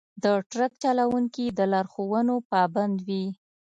د ټرک چلونکي د لارښوونو پابند وي.